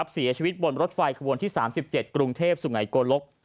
เสียชีวิตบนรถไฟขบวนที่๓๗กรุงเทพสุไงโกลก